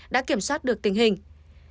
đã kiểm soát các tỉnh thành phố hồ chí minh